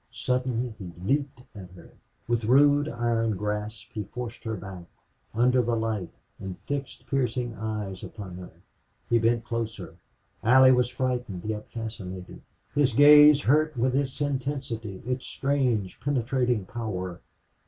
Suddenly he leaped at her. With rude, iron grasp he forced her back, under the light, and fixed piercing eyes upon hers. He bent closer. Allie was frightened, yet fascinated. His gaze hurt with its intensity, its strange, penetrating power.